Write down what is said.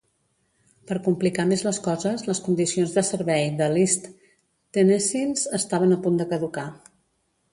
Per complicar més les coses, les condicions de servei de l'East Tennesseans estaven a punt de caducar.